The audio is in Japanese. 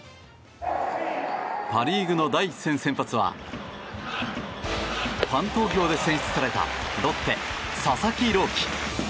パ・リーグの第１戦先発はファン投票で選出されたロッテ、佐々木朗希。